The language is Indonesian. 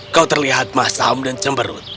kau terlihat masam dan cemberut